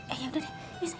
eh yaudah deh